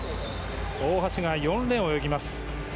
大橋が４レーンを泳ぎます。